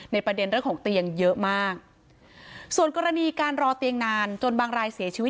ประเด็นเรื่องของเตียงเยอะมากส่วนกรณีการรอเตียงนานจนบางรายเสียชีวิต